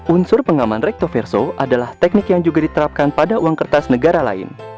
unsur pengaman rektoverso adalah teknik yang juga diterapkan pada uang kertas negara lain